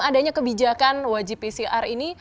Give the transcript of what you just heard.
adanya kebijakan wgpcr ini